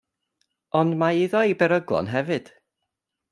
Ond mae iddo ei beryglon hefyd.